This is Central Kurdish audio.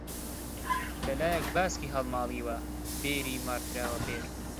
لەلایەک باسکی هەڵماڵیوە بێری مەڕ دراوە بێر